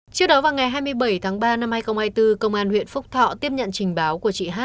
trước đó vào ngày hai mươi bảy ba hai nghìn hai mươi bốn công an huyện phúc thọ tiếp nhận trình báo của chị h